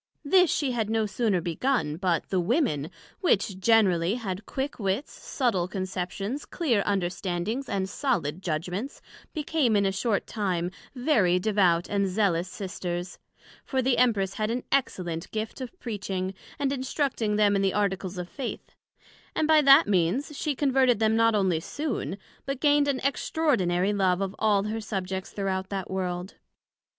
This she had no sooner begun, but the Women, which generally had quick wits, subtile conceptions, clear understandings, and solid judgments, became, in a short time, very devout and zealous Sisters; for the Empress had an excellent gift of Preaching, and instructing them in the Articles of Faith; and by that means, she converted them not onely soon, but gained an extraordinary love of all her Subjects throughout that World.